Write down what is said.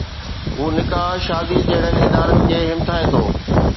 هو نڪاح شادي جهڙن ادارن کي همٿائي ٿو.